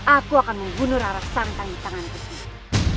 aku akan membunuh rara santang di tangan kesini